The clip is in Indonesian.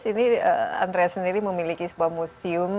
karena andrea sendiri memiliki sebuah museum